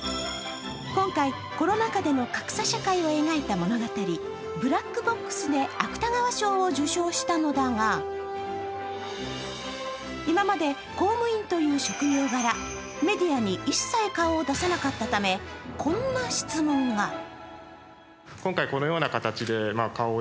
今回コロナ禍での格差社会を描いた物語、「ブラックボックス」で芥川賞を受賞したのだが、今まで公務員という職業柄、メディアに一切顔を出さなかったため、こんな質問が。